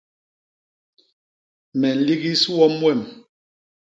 Me nligis wom wem.